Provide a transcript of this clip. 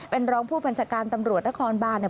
เป็นร้องผู้ปัญชาการตำรวจนะครบาท